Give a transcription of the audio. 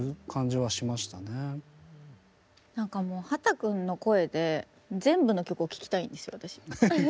なんかもう秦くんの声で全部の曲を聴きたいんです私。